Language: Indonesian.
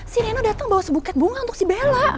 si reno dateng bawa sebuquet bunga untuk si bella